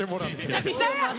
むちゃくちゃや！